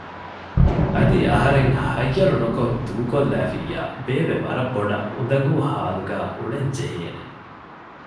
އަދި އަހަރެން ހައްޔަރުނުކޮށް ދޫކޮށްލައިފިއްޔާ ބޭބެ ވަރަށްބޮޑަށް އުނދަގޫ ހާލުގައި އުޅެން ޖެހޭނެ